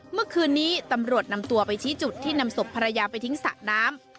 เมื่อคืนนี้ตำรวจนำตัวไปชี้จุดที่นำศพภรรยาไปทิ้งสระน้ำ